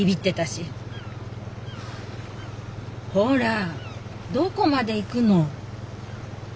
ほらどこまで行くの？